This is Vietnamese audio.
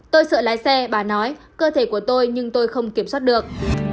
tôi sợ lái xe bà nói cơ thể của tôi nhưng tôi không kiểm soát được